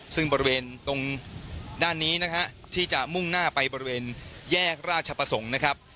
ซึ่งบริเวณตรงด้านนี้นะฮะที่จะมุ่งหน้าไปบริเวณแยกราชประสงค์นะครับ